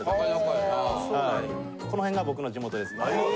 この辺が僕の地元です。